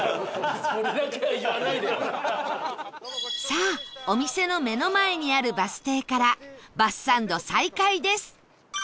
さあお店の目の前にあるバス停からバスサンド再開です